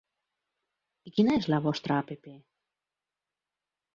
I quina és la vostre app?